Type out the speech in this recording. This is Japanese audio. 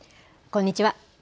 こんにちは。